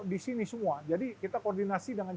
di sini semua jadi kita koordinasi dengan